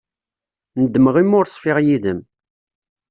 Nedmeɣ imi ur ṣfiɣ yid-m.